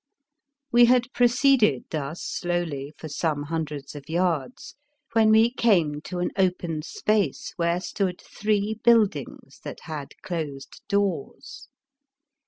We had proceeded thus slowly for some hun dreds of yards, when we came to an open space where stood three build ings that had closed doors.